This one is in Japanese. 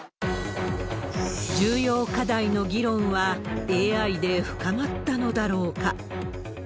重要課題の議論は、ＡＩで深まったのだろうか。